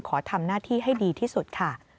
ขอทำหน้าที่ให้ดีที่สุดค่ะ